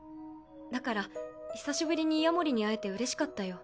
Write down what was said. だから久しぶりに夜守に会えてうれしかったよ。